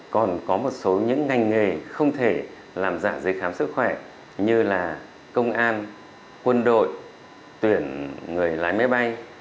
còn có một số những ngành nghề không thể làm dạ giấy khám sức khỏe như là công an quân đội tuyển người lái máy bay